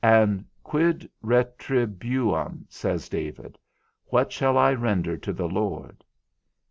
And quid retribuam, says David, _What shall I render to the Lord?